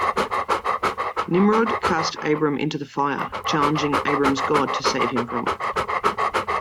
Nimrod cast Abram into the fire, challenging Abram's God to save him from it.